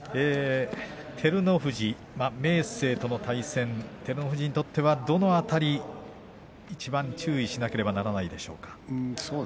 照ノ富士、明生との対戦照ノ富士にとってはどの辺りにいちばん注意しなければならないでしょうか。